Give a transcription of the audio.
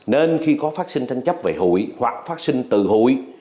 nên khi có phát sinh tăng chấp về hùi hoặc phát sinh từ hùi